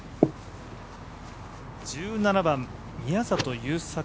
１７番、宮里優作